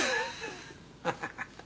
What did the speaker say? ハハハハ。